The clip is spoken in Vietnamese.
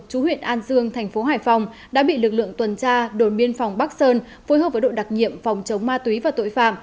chú huyện an dương thành phố hải phòng đã bị lực lượng tuần tra đồn biên phòng bắc sơn phối hợp với đội đặc nhiệm phòng chống ma túy và tội phạm